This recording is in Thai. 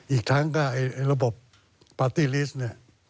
อีกทั้งก็ระบบปาร์ตี้ลิสต์เนี่ย